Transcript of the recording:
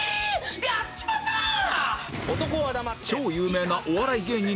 やっちまったなあ！